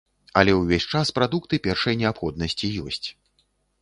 Але ўвесь час прадукты першай неабходнасці ёсць.